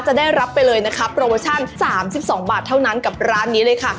จะได้รับไปเลยนะคะโปรโมชั่น๓๒บาทเท่านั้นกับร้านนี้เลยค่ะ